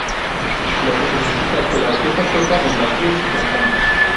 Lo que significa que la orquesta toca "en vacío", sin cantante.